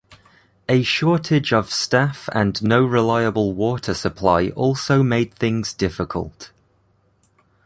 A shortage of staff and no reliable water supply also made things difficult.